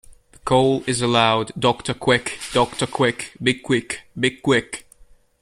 The call is a loud "doctor-quick doctor-quick be-quick be-quick".